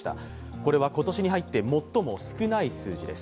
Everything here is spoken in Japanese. これは今年に入って最も少ない数字です。